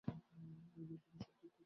Engine রুমে সব ঠিকঠাকই আছে।